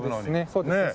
そうですね。